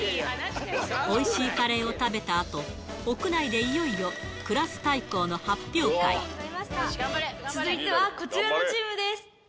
おいしいカレーを食べたあと、屋内でいよいよ、クラス対抗の発続いてはこちらのチームです。